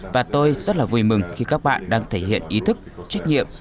và tôi rất là vui mừng khi các bạn đang thể hiện ý thức trách nhiệm